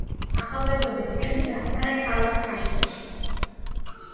ახალგაზრდობის წლები გაატარა ქალაქ ხაშურში.